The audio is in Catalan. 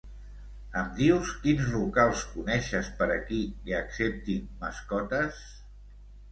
Em dius quins locals coneixes per aquí que acceptin mascotes?